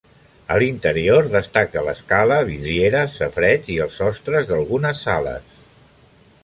A l'interior destaca l'escala, vidrieres, safareig i els sostres d'algunes sales.